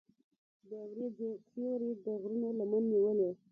د وریځو سیوری د غرونو لمن نیولې.